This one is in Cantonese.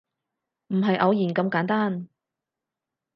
唔係偶然咁簡單